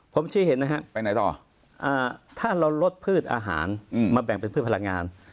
ผมเชื่อเห็นนะครับถ้าเราลดพืชอาหารมาแบ่งเป็นพืชพลังงาน